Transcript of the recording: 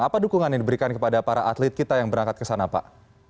apa dukungan yang diberikan kepada para atlet kita yang berangkat ke sana pak